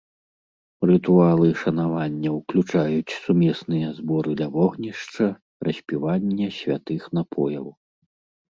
Рытуалы шанавання ўключаюць сумесныя зборы ля вогнішча, распіванне святых напояў.